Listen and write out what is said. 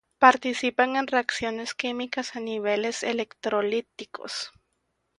Participan en reacciones químicas a niveles electrolíticos.